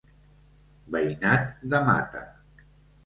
Veïnat de Mata.